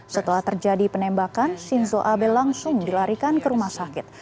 setelah terjadi penembakan shinzo abe langsung dilarikan ke rumah sakit